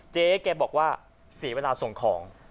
เจ๊แกบอกว่าเสียเวลาส่งของ